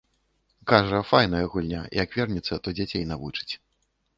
Кажа, файная гульня, як вернецца то дзяцей навучыць.